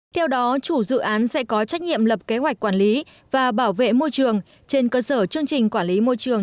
theo đó chủ dự án sẽ có trách nhiệm lập kế hoạch quản lý và bảo vệ môi trường trên cơ sở chương trình quản lý môi trường